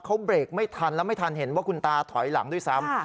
เขาเบรกไม่ทันแล้วไม่ทันเห็นว่าคุณตาถอยหลังด้วยซ้ำ